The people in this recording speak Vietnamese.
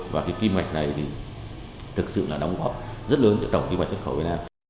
và cái kim ngạch này thì thực sự là đóng góp rất lớn cho tổng kinh mạch xuất khẩu việt nam